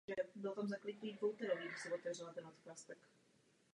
Pro jmenování městysem obecná kritéria zákonem stanovena nejsou.